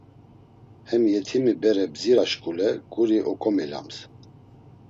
Hem yetimi bere bdzira şǩule guri oǩomilams.